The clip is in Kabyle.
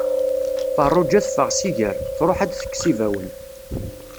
Farruǧa teffeɣ s iger, truḥ ad d-tekkes ibawen.